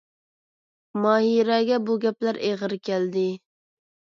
ماھىرەگە بۇ گەپلەر ئېغىر كەلدى.